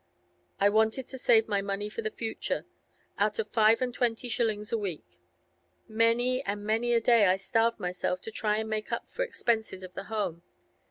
I wanted to save money for the future—out of five and twenty shillings a week. Many and many a day I starved myself to try and make up for expenses of the home.